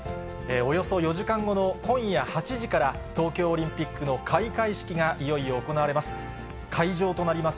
およそ４時間後の今夜８時から、東京オリンピックの開会式がいよいよ行われます。